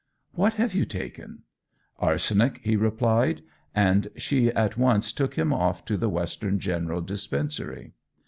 'What have you taken?' 'Arsenic,' he replied, and she at once took him off to the Western General Dispensary.